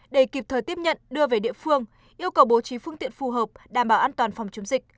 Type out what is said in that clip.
để kịp thời tiếp nhận đưa về địa phương yêu cầu bố trí phương tiện phù hợp đảm bảo an toàn phòng chống dịch